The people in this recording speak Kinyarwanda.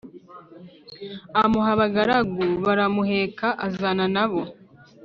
amuha abagaragu baramuheka azana nabo